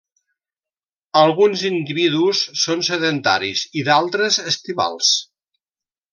Alguns individus són sedentaris i d'altres, estivals.